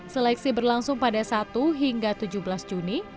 seleksi berlangsung pada satu hingga tujuh belas juni